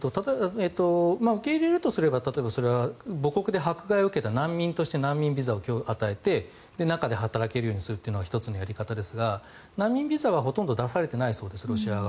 受け入れるとすれば例えばそれは母国で迫害を受けた難民として難民ビザを与えて中で働けるようにするというのが１つのやり方ですが難民ビザはほとんど出されていないそうです。